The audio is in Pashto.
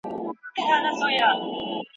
مالوچ او وړۍ د لاسي صنايعو لپاره اړين دي.